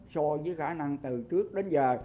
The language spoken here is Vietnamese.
so với khả năng từ trước đến giờ